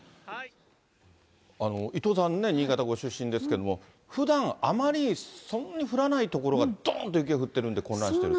伊藤さんね、新潟ご出身ですけれども、ふだん、あまりそんなに降らない所が、どーんと雪が降ってるんで混乱してる。